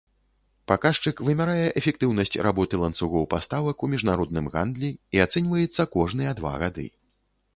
Паказчык вымярае эфектыўнасць работы ланцугоў паставак у міжнародным гандлі і ацэньваецца кожныя два гады.